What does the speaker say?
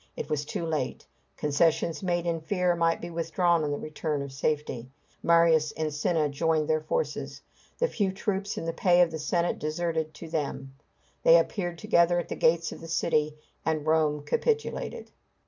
It was too late. Concessions made in fear might be withdrawn on the return of safety. Marius and Cinna joined their forces. The few troops in the pay of the Senate deserted to them. They appeared together at the gates of the city, and Rome capitulated.